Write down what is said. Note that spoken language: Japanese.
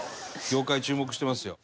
業界注目してますよ。